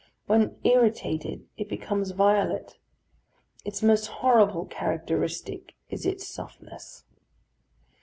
When irritated it becomes violet. Its most horrible characteristic is its softness.